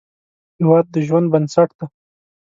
هیواد د ژوند بنسټ دی